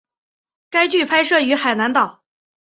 该剧拍摄于海南岛。